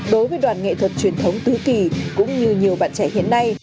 đối với đoàn nghệ thuật truyền thống tứ kỳ cũng như nhiều bạn trẻ hiện nay